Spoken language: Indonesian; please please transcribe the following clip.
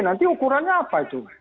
nanti ukurannya apa itu